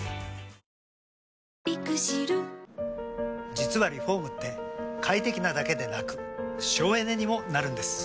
実はリフォームって快適なだけでなく省エネにもなるんです。